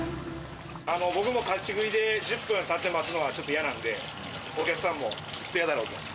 僕も立ち食いで、１０分立って待つのはちょっと嫌なので、お客さんもきっと嫌だろうと。